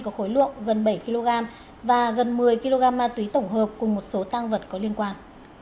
tối lượng gần bảy kg và gần một mươi kg ma túy tổng hợp cùng một số tang vật có liên quan